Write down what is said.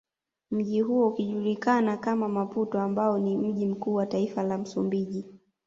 Mji huo ukijulikana kama Maputo ambao ni mji mkuu wa taifa la msumbiji